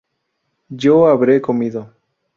yo habré comido